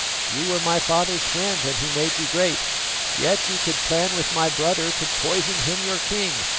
You were my father's friend and he made you great; yet you could plan with my brother to poison him, your king.